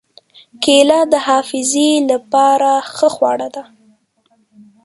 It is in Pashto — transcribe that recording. کېله د حافظې له پاره ښه خواړه ده.